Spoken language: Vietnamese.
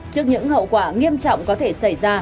trước những hậu quả nghiêm trọng có thể xảy ra